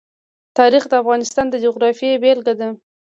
تاریخ د افغانستان د جغرافیې بېلګه ده.